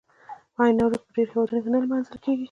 آیا نوروز په ډیرو هیوادونو کې نه لمانځل کیږي؟